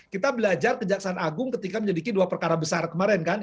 kita belajar kejaksaan agung ketika menyelidiki dua perkara besar kemarin kan